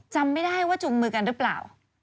จำไม่ได้ว่าจุงมือกันหรือเปล่า